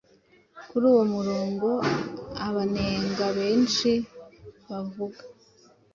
Kuri wo umurongo abanenga benshi bavuga